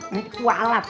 nanti tua alat